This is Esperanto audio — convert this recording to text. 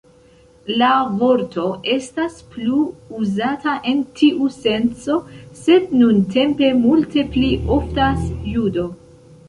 La vorto estas plu uzata en tiu senco, sed nuntempe multe pli oftas "judo".